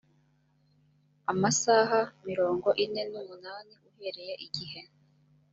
amasaha mirongo ine n umunani uhereye igihe